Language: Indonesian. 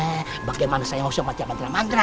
hehehe bagaimana saya mau baca mantra mantra